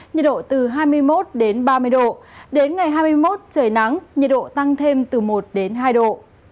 nhiệt độ từ hai mươi một đến ba mươi độ đến ngày hai mươi một trời nắng nhiệt độ tăng thêm từ một đến hai độ